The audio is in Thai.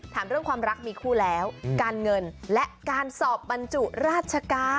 ถามเรื่องความรักมีคู่แล้วการเงินและการสอบบรรจุราชการ